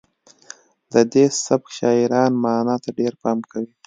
د دې سبک شاعران معنا ته ډیر پام کوي